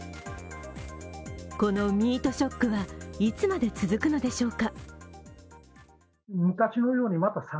このミートショックはいつまで続くのでしょうか。